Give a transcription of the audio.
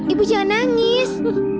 ibu jangan nangis